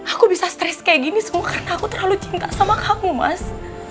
aku bisa stress kayak gini semua karena aku terlalu cinta sama kamu mas